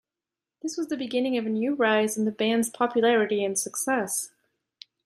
This was the beginning of a new rise in the band's popularity and success.